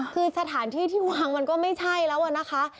คือสถานที่ที่วางมันก็ไม่ใช่แล้วอะนะคะ